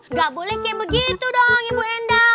enggak boleh kayak begitu dong ibu endang